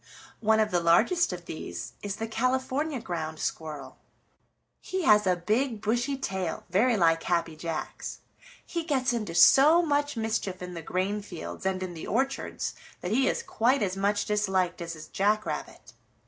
One of the largest of these is the California Ground Squirrel. He has a big, bushy tail, very like Happy Jack's. He gets into so much mischief in the grain fields and in the orchards that he is quite as much disliked as is Jack Rabbit.